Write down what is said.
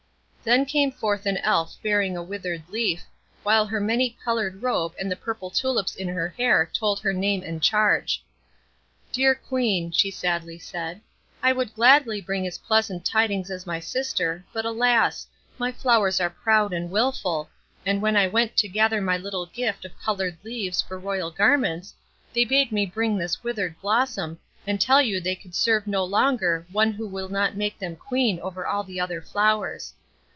Then came forth an Elf bearing a withered leaf, while her many colored robe and the purple tulips in her hair told her name and charge. "Dear Queen," she sadly said, "I would gladly bring as pleasant tidings as my sister, but, alas! my flowers are proud and wilful, and when I went to gather my little gift of colored leaves for royal garments, they bade me bring this withered blossom, and tell you they would serve no longer one who will not make them Queen over all the other flowers.